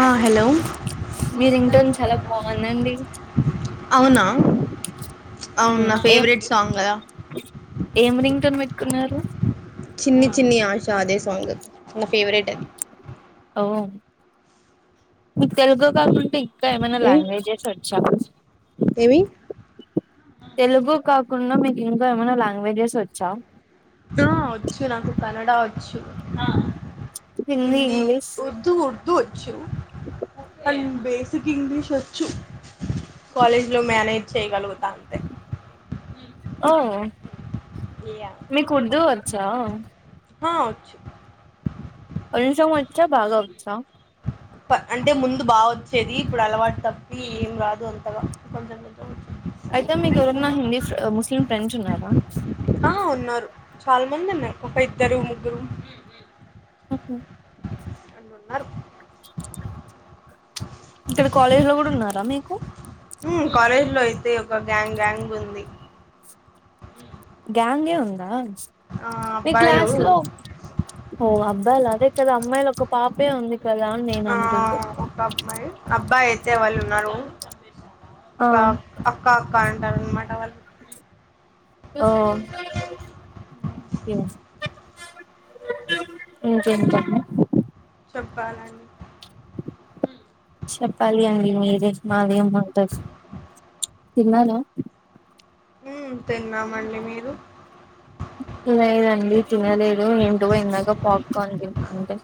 ఆ హలో మీ రింగ్టోన్ చాలా బాగుందండి అవునా అవున ఉమ్ నా ఏం ఫేవరెట్ సాంగ్ కద ఏం రింగ్ టోన్ పెట్టుకున్నారు చిన్ని చిన్ని ఆశ అదే సాంగ్ నా ఫేవరెట్ అది ఓ మీకు తెలుగు కాకుండా ఈ తే ఏమన్నా ఉమ్ లాంగ్వేజెస్ వచ్చా ఏమి తెలుగు కకు కున్న మీకు ఇంకా ఏమైనా లాంగ్వేజెస్ వచ్చా ఆ వచ్చు నాకు కన్నడ వచ్చు హిందీ ఉర్దూ ఉర్దూ వచ్చు బేసిక్ ఇంగ్లీష్ వచ్చు కాలేజ్లో మేనేజ్ చేయగలగు ఓ యా మీకు ఉర్దు వచ్చా ఆ వచ్చు కొంచెం వచ్చ బాగా వచ్చా అంటే ముందు బాగా వచ్చేది ఇప్పుడు అలవాటు తప్పి ఏం రాదు అంతగా కొంచెం వచ్చు. అయితే మీకు ఎవరన్నా హిందీ ముస్లిం ఫ్రెండ్స్ ఉన్నారా ముందున్నారు ఒక ఇద్దారు ముగ్గురు ఆహా ఉన్నారు ఇక్కడ కాలేజ్ లో కూడా ఉన్నారా మీకు కాలేజ్ లో అయితే ఒక గ్యాంగ్ గ్యాంగ్ ఉంది గ్యాంగే ఉందా ఆహ్, మీ అబ్బాయిలు క్లాస్ లో ఓ అబ్బా అదే కద అమ్మాయిలు ఒక పాపే ఉంది కదా అని నేను ఆ అనుకుంటున్నా ఒక అమ్మాయి అబ్బాయితే అయితే వాళ్ళు ఉన్నారు ఒక ఆ అక్క అక్క అంటారు అనమాట వాళ్ళు ఓ ఇంకేం చెప్పు చెప్పాలండి చెప్పాలండి మీరే మాదేముంటది తిన్నాన ఉ తిన్నామండి మీరు లేదండి తినలేదు ఎంట ఎన్నాగా పాప్కార్న్ తిన్నా అంతే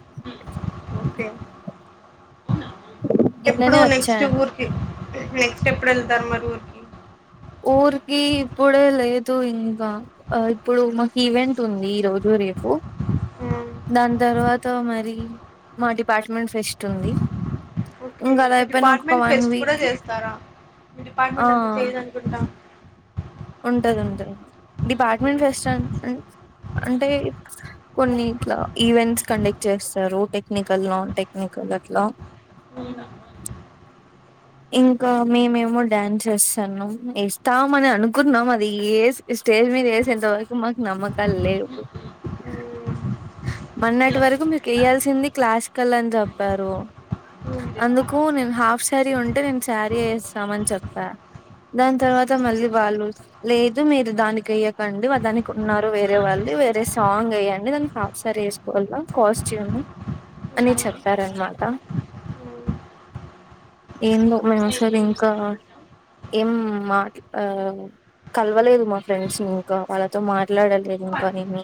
ఓకే. ఎప్పుడు నిన్ననే నెక్స్ట్ వచ్చాను ఊరికి నెక్స్ట్ ఎప్పుడు వెళ్తారు మరి ఊరికి ఊరికి ఇప్పుడే లేదు ఇంకా ఇప్పుడు మాకు ఈవెంట్ ఉంది ఈ రోజు రేపు హ్మ్. దాని తర్వాత మరి మా డిపార్ట్మెంట్ ఫ్రెస్ట్ ఉంది ఓకే. ఇంకా అద మీ అయిపోయినా ఒక డిపార్ట్‌మెంట్ వన్ ఫెస్ట్ కూడా వీక్ చేస్తారా? మీ డిపార్ట్మెంట్ ఎంత చేయదు అనుకుంటున్నావు ఉంటదింటది డిపార్ట్మెంట్ ఫెస్ట్ అంటే కొన్ని ఇట్లా ఈవెంట్స్ కండక్ట్ చేస్తారు టెక్నికల్ నాన్ టెక్నికల్ మొదట్ల ఇంకా మేమో డ్యాన్స్ చేస్తాను ఇస్తాం అని అనుకున్నాం అది ఏ ఇ స్టేజ్ మీద ఏసేంతవరకు మాకు నమ్మకం లేవు హ్మ్. మొన్నటి వరకు మీకు ఎయ్యాల్సి దీన్ని క్లాసికల్ అని చెప్పారు అందుకు నేను హాఫ్ సారి ఉంటే అంటే మేము శారీ ఏస్తామని చెప్పా. దాని తర్వాత మళ్ళీ వాళ్ళు లేదు. మీరు దానికి ఏయకండి వ దానికి ఉన్నారు వేరే వాళ్ళు. వేరే సాంగ్ వేయండి దానికి హాఫ్ సారి వేసుకోగలుగుతా. కాస్ట్యూమ్. అని హ్మ్. చెప్పారన్నమాట. హ్మ్. ఏందో మేము సైడ్ ఇంకా ఏం మాట్ల కలవలేదు మా ఫ్రెండ్స్ ని ఇంకా, వాళ్ళతో మాట్లాడలేదు ఇంకా నేను.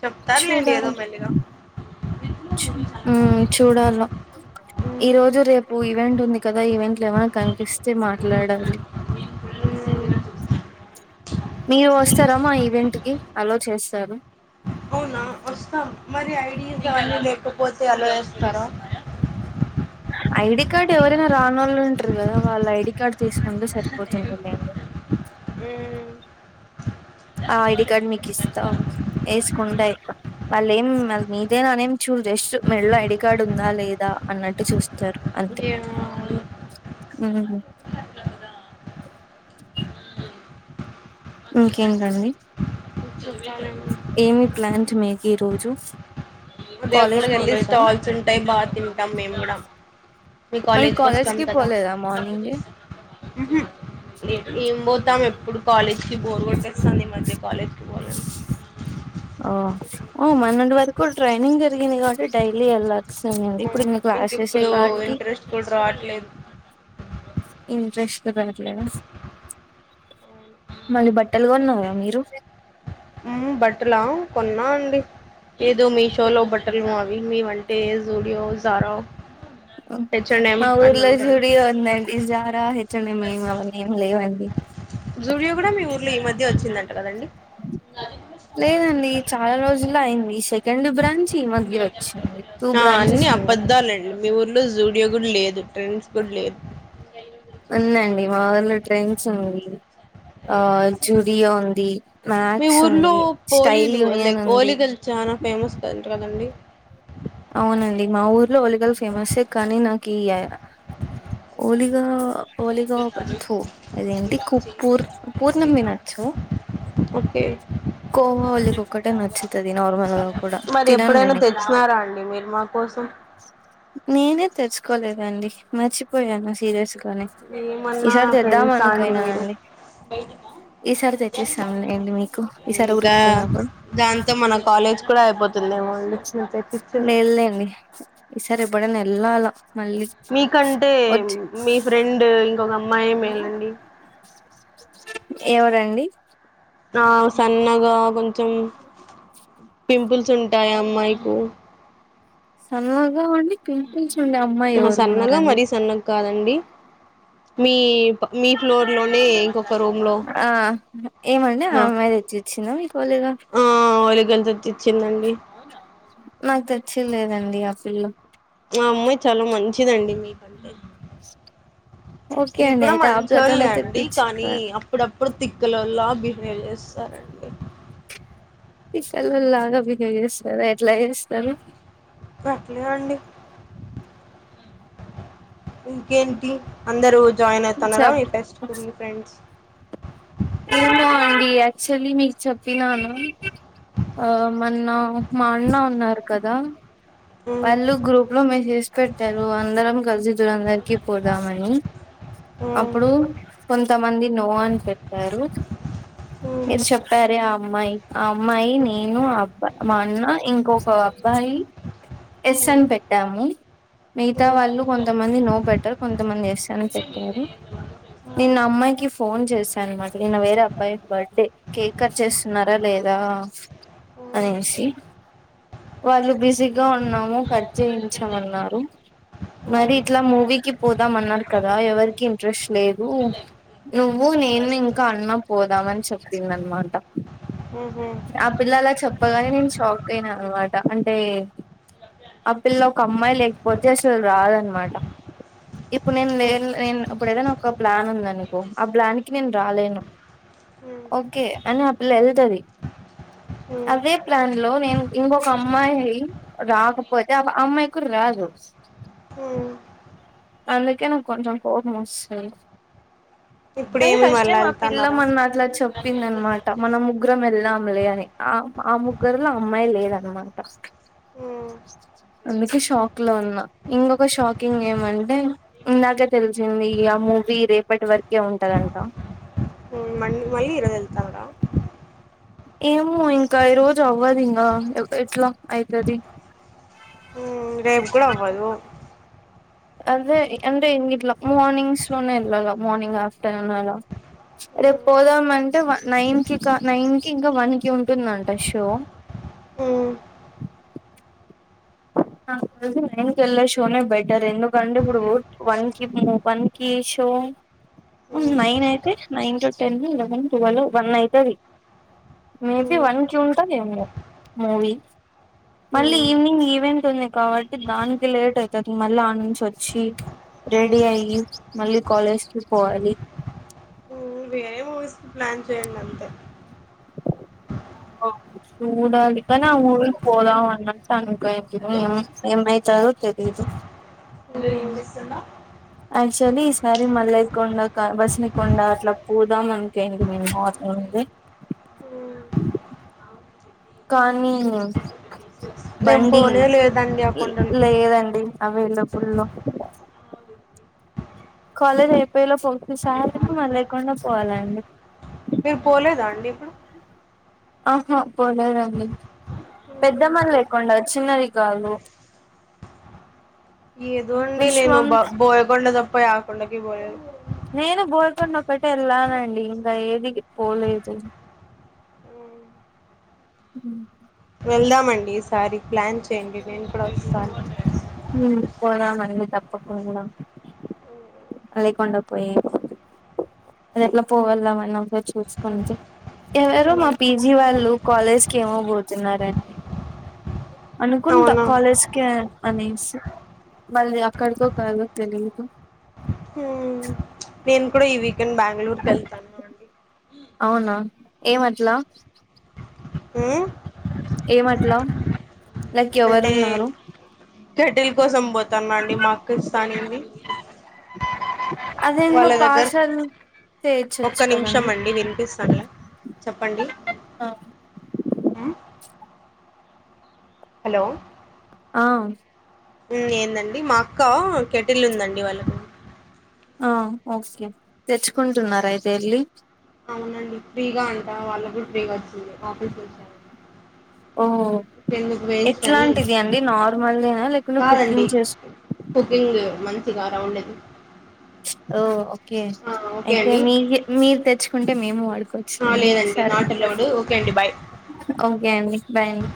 చెప్తారులేండి ఏదో చూడాలి మెల్లిగా. చూడాల ఈ రోజు రేపు ఈవెంట్ ఉంది కదా ఈవెంట్లు ఏమైనా కనిపిస్తే మాట్లాడాలి. మీరు వస్తారా మా ఈవెంట్ కి అలవ్ చేస్తారు. అవునా వస్తాం మరి ఐడికార్డు లేకపోతే అలవ్ చేస్తారా? ఐడి కార్డు ఎవరైనా రాని వాళ్ళు ఉంటారు కదా! వాళ్ళ ఐడి కార్డు తీసుకుంటూ సరిపోతుంది. నేను హ్మ్. ఆ ఐడి కార్డు మీకు ఇస్తా. వేసుకుంటె వాళ్ళు అది ఏం మీదేని ఎవ్వరూ చూడరు. జస్ట్ మెల్లో ఐడి కార్డు ఉందా లేదా అన్నట్టు చూస్తారు. ఏమో మరి హు హూ. ఇంకేంటండి. సాలడి [unintelligible] ఏమి ప్లాన్స్ మీకు ఈ రోజు? అ కాలేజ్ దగ్గడుక వెళ్ళి పోలేదా స్టాల్స్ ఉంటాయి బాగా తింటాం మేము కూడా. మీ మళ్ళీ కాలేజ్ కి వస్తాం కదా! పోలేదా మార్నింగే ఏం పోతాం ఎప్పుడు కాలేజ్ కి బోరు కొట్ కానీ ఈ మధ్య కాలేజ్ కి పోలేదు. ఓ మొన్నటి వరకు ట్రైనింగ్ జరిగింది కాబట్టి డైలీ ఎల్లాసి ఉంది. ఇంక ఇప్పుడు ఇంట్రెస్ట్ కూడా రావట్లేదు. ఇంట్రెస్ట్ తో కనిపియలే. మళ్ళీ బట్టలుగా కొన్నార మీరు? బట్టలా కొన్నా అండి. ఏదో మీషోలో బట్టలు ఆవి మీవి అంటే జూడో, జారో. మా ఊర్లో జూడియో ఉందండి. జారా హెచ్చడంమవన్ని ఏమి లేవండి. జూడియో కూడా మీ ఊర్లో ఈ మధ్య వచ్చిందంట కదండి. లా సెకండ్ బ్రాంచ్. ఈ మధ్య వచ్చింది టూ ఆ బ్రాంచెస్ అన్నీ ఉన్నాయి అబద్దాలండి మీ ఊరు లో జూడియో గూడ లేదు, ట్రెండ్స్ గూడ లేదు. ఉందండి మా ఊర్లో ట్రెండ్స్ ఉంది. ఆ జూడియో ఉంది, మీ మాక్స్ ఊర్లో ఉంది, స్టైల్ యూనియన్ ఉంది. మన ఫేమస్ కంట కదండి. అవునండి, మా ఊర్లో ఒలిగలు ఫ్యామస్సే, కానీ నాకు ఈ య ఓలిగా ఓలిగా ఒకట్టు, అదేంటి కుప్పూర్ పూర్ణం తినొచ్చు. ఓకే కోవ ఓలిగా ఒక్కటే నచ్చుతాది నార్మల్ గా కూడా మరి తినను ఎప్పుడైనా నేను ఎక్కువ తెచ్చినారా అండి మీరు మా కోసం? నేనే తెచ్చుకోలేదండి, మర్చిపోయాను సీరియస్ గా. కాని ఏమన్నా ఈసారి తెద్దాం ఫ్రెండ్సా అండి అనుకైనా మీరు నండి. ఈసారి తెచ్చిస్తాములెండి మీకు. ఈసారి ఇంకా, ఊరికి పోయినప్పుడు దాంతో మన కాలేజ్ కూడా అయిపోతుందేమో అండి. మీరు తెప్పించారు లేద్ లేండి, ఈసారి ఎప్పుడన్న ఎళ్ళాల. మీకంటే మీ ఫ్రెండు, ఇంకొక అమ్మాయో మేలండి. ఎవరండి? ఆ, సన్నగా కొంచెం. పింపుల్స్ ఉంటాయ్, ఆ అమ్మాయుకు. సన్నగా ఉండి, పింపుల్స్ ఉండే అమ్మాయి ఆహా ఎవరు సన్నగా ఉన్నారండి? మరీ సన్నగా కాదండి, మీ ప ఫ్లోర్‌లోనే ఇంకొక రూమ్‌లో. ఆ, ఏమండీ? ఆ అమ్మాయి తెచ్చి ఇచ్చిందా మీకు, లేదా? మా ఊర్లోకేళి తెచ్చి ఇచ్చిందండి. అవునా! నాక్ తెచ్చియ్యలేదండి, ఆ పిల్ల. ఆ అమ్మాయి చాల మంచిదండి, మీకంటే. ఓకే మీరూ అండి కూడా అయితే ఆ పిల్లతోనే మంచోళ్లే అండి, తెప్పించి కానీ అప్పుడప్. అప్పుడు, తిక్కలోళ్ల బిహేవ్ జేస్తారండి. పిసలోల్లాగా బిహేవ్ జేస్తారా, ఎట్లా జేస్తారు? అట్లే అండి. ఇంకేంటి అందరూ ఒచ్. జాయిన్ అయితన్నారా, చెప్ ఈ ఫెస్ట్‌కూ మీ ఫ్రెండ్స్? ఏమో అండి, యాక్చువల్లీ మీకు చెప్పినాను. ఆ! మన్న మా అన్న ఉన్నారు కదా. మ్మ్ వాళ్లు గ్రూప్‌లో మెసేజ్ పెట్టారు, అందరం కలిసి దురందరికి పోదామని. మ్మ్ అప్పుడు, కొంతమంది 'నో'అని పెట్టారు. మ్మ్ మ్మ్ మీరూ చెప్పారే, ఆమ్. అమ్మాయి. ఆ అమ్మాయి, మ్మ్ నేను, ఆ అబ్బాయ్, మా అన్న, ఇంకొక అబ్బాయి. ఎస్ మ్మ్ అని పెట్టాము. మ్మ్ మ్మ్ మిగతా మ్మ్ వాళ్లు, కొంతమంది నో పెట్టారు. కొంతమంది ఎస్ అని పెట్టారు. నిన్న, అమ్మాయికి ఫోన్. చేశానన్నమాట. నిన్న వేరే అబ్బాయి బర్త్‌డే కేక్ కట్ చేస్తున్నారా లేదా? ఆ? అనేసి, వాళ్లు బిజీగా ఉన్నాము. కట్ చేయించమన్నారు. మరి, ఇట్లా మూవీకి పోదామన్నారు కదా? ఎవరికి ఇంట్రెస్ట్ లేదూ. నువ్వు, నేను ఇంకా అన్న పోదామని చెప్పిందన్నమాట. మ్హూ మ్మ్ మ్మ్ మ్మ్ మ్మ్ ఆ పిల్ల అలా చెప్పగానే నేను, షాక్ అయినా అన్నమాట. అంటే అప్. పిల్ల, ఒక అమ్మాయి లేకపోతే అసలు రాదన్నమాట. ఇప్పుడు నేన్, లేన్ నేన్. ఇప్పుడు ఏదైనా ఒక ప్లాన్ ఉందా నీకు? ఆ ప్లాన్ కి నేను రాలేను. ఓకే, అయినా ఆ పిల్ల ఎల్తది. అవే ప్లాన్ లో నేను, ఇంగొక అమ్మాయి రాకపోతే? అవ ఆ అమ్మాయి. కుర్రాడు. హ్మ్మ్. అందుకే, నా కొంచెం కోపం వస్తాది. కానీ ఇప్పుడేమి ఫస్ట్ మళ్ళా టైమ్, ఆ పిల్ల వెళ్తన్నారా మన అట్లా చెప్పింది అన్నమాట. మనం ముగ్రం ఎల్. మరూ లే, అన్నీ. ఆ, ఆ ముగ్గురులో అమ్మాయి లేవన్నమాట. మ్మ్ అందుకే షూ. షాక్ లో ఉన్నా? ఇంగొక షాకింగ్ ఏమంటే? ఇందాకే తెలిసింది, ఈ అ మూవీ రేపటి వర్క్. హ్మ్మ్. మళ్లీ ఈరోజు వెళ్తారా? ఏమో ఇంకా, ఈ రోజు అవ్వదు ఇంగా? ఎట్లా అయితది. హ్మ్మ్, రేపు గూడ అవ్వదు? అదే అంటే, ఇంగ ఇట్లా మార్నింగ్స్ లోనే ఎళ్లాల. మార్నింగ్, ఆఫ్టర్‌నూన్ అలా. రేపు మ్మ్ పోదాం అంటే? వన్. నైన్ కి, కా. నైన్ కి ఇంకా వన్ కి ఉంటుందంట షో. హ్మ్మ్. నాకు తెలిసి, నైన్ కి ఎళ్లే షో నే బెటర్. ఎందుకంటే? ఇప్పుడు వన్ కి మూవ, వన్ కి షో. మ్మ్ నైన్ అయితే nine to ten eleven twelve one అయితది మేబి మ్మ్ వన్ కి ఉంటదిఏమో మూవీ మళ్ళీ మ్మ్ ఈవినింగ్ ఈవ్ కాబట్టి దానికి లేట్ అయితది మళ్ళీ ఆ నుంచి వచ్చి రెడీ అయ్యి మళ్ళీ కాలేజ్ కి పోవాలి ఉమ్ వేరే మూవీస్ కి ప్లాన్ చేయండి అంతే ఆ చూడాలి కానీ ఆ మూవీకి పోదామా అన్నట్టు అని టైమ్ కి ఉమ్ ఏమైతాదో తెలీదు ఏం జేస్సున్నావ్ యాక్చువల్లీ ఈసారి మల్లయ్య కొండకా, బసినే కొండా అట్లా పోదాం అనుకోయింటిమి [unintelligible] ఉంది ఉ కానీ నేను బండి పోనే లేదండి ఆ కొండలకి. లేదండి అవైలబుల్ లో కాలేజ్ అయిపోయేలా పోతే సారే మ లేకుండా పోవాలండి మీరు పోలేదా అండి ఇప్పుడు ఆహా పోలేదండి పెద్దమ్మ హ్మ్. లేకుండా చిన్నది కాదు ఏదోండీ నేను విశ్వం బ బోయకొండ తప్ప యా కొండకి పోలేదు నేను బోయకొండ ఒకటే వెళ్ళానండి ఇంగ ఏది పోలేదు మ్మ్ వెళ్దామండి ఈసారి ప్లాన్ చేయండి నేను కూడా వస్తాను మళ్ళీ తప్పకుండా లేకుండా పొయ్యేది అది ఎట్లా పోగలము కూడా చూసుకుంటే ఎవరు మా హ్మ్. పీ జీ వాళ్ళు కాలేజ్కి ఏమో పోతున్నరండి అనుకుంటా అవునా! కాలేజ్కే అని అనేసి మళ్ళీ అక్కడికో కాదో తెలిదు హ్మ్. నేను కూడా ఈ వీకెండ్ బెంగళూరు కి ఏళ్లన్న అండి అవునా ఏమట్లా మ్మ్ ఏమట్ల అంటే కెటిల్ కోసం పోతున్న అండి మా అక్క ఇస్తా అనింది అదేందో వాళ్ళ దగ్గర పార్షల్ ఒక్క నిమిషం అండి వినిపిస్తానులే చెప్పండి ఆ హలో ఆ ఏందండి మా అక్క కెటిల్ ఉందండి వాళ్ళకు ఆ ఓకే తెచ్చుకుంటున్నార అయితే వెళ్ళి అవునండి ఫ్రీగా అంటా వాళ్ళకు కూడా ఫ్రీగా వచ్చింది ఆఫీస్ లో ఇచ్చారంట ఓ అని ఎట్లాంటిది అండి నార్మల్దేన లేకుంటే కాదండి కుకింగ్ చేసుకో కుకింగ్ మంచిగా రౌండేది ఓ ఓకే అయితే అండి మీకే మీరు తెచ్చుకుంటే మేము వాడుకుం ఆ లేదండి సరే నాట్ అలౌడ్ ఓకే అండి బాయ్ ఓకే అండి బాయ్ అండి